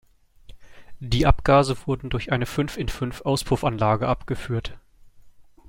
Die Abgase wurden durch eine Fünf-in-Fünf-Auspuffanlage abgeführt.